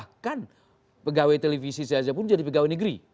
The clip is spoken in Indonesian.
bahkan pegawai televisi saja pun jadi pegawai negeri